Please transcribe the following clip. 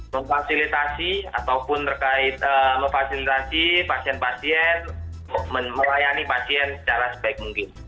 memfasilitasi ataupun terkait memfasilitasi pasien pasien melayani pasien secara sebaik mungkin